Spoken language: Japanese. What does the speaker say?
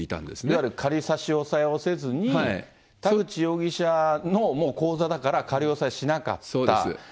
いわゆる仮差し押さえをせずに、田口容疑者の口座だから仮押そうです。